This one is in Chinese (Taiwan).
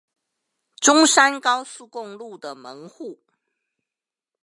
中山高速公路的門戶